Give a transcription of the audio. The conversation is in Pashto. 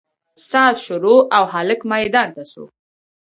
ساز شروع او هلک ميدان ته سو.